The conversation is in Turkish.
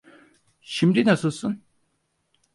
Şimdi nasılsın?